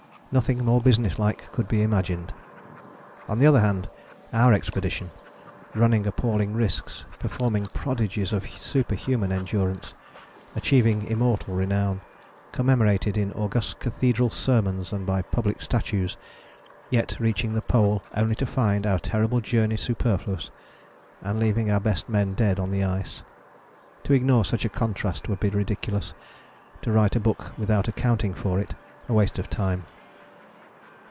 Nothing more business like could be imagined. On the other hand, our expedition, running appalling risks, performing prodigies of superhuman endurance, achieving immortal renown, commemorated in august cathedral sermons and by public statues, yet reaching the Pole only to find our terrible journey superfluous, and leaving our best men dead on the ice. To ignore such a contrast would be ridiculous: to write a book without accounting for it a waste of time.